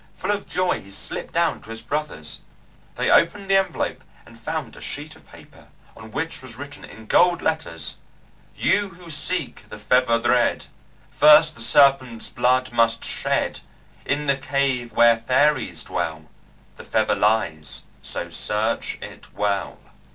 Full of joy he slipped down to his brothers. They opened the envelope and found a sheet of paper on which was written in gold letters, "You who seek the Feather Red First the Serpent's blood must shed; In the cave where fairies dwell The Feather lies, so search it well."